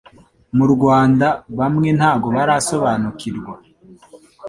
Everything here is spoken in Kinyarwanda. Mu Rwanda bamwe ntabwo barasobanukirwa!